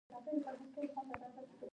وکرله